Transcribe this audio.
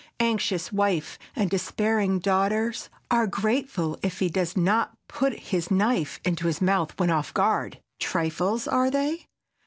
Anxious wife and despairing daughters are grateful if he does not put his knife into his mouth when off guard. Trifles—are they?